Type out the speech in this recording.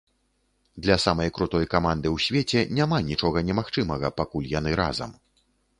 Для самай крутой каманды ў свеце няма нічога немагчымага, пакуль яны разам.